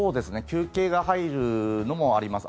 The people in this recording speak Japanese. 休憩が入るのもあります。